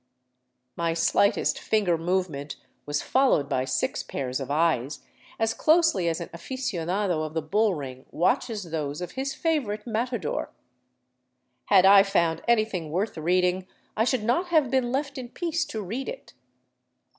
My slightest finger movement was followed by six pairs of eyes, as closely as an " aficionado " of the bull ring watches those of his favorite matador. Had I found anything worth reading, I should not have been left in peace to read it.